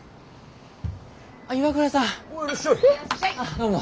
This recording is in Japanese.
どうも。